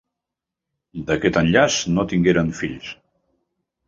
D'aquest enllaç no tingueren fills.